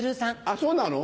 あっそうなの？